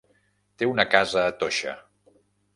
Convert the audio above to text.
Té una casa a Toixa.